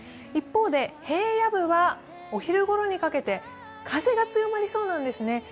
一方で平野部はお昼ごろにかけて風が強まりそうなんですね。